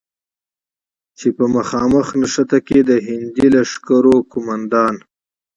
چې په مخامخ نښته کې د هندي لښکرو قوماندان،